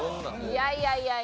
いやいやいやいや！